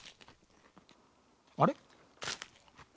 あれ？